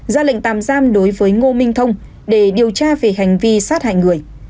ra lệnh tạm giam đối với ngô minh thông để điều tra về hành vi sát hại người